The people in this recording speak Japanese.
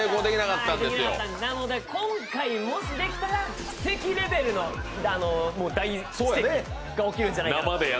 なので今回もしできたら奇跡レベルの大快挙が起きるんじゃないかと。